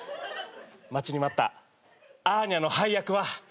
待ちに待ったアーニャの配役は。